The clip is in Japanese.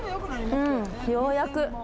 うん、ようやく。